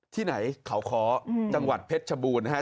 ที่ไหนขาวคอจังหวัดเพชรภูมิ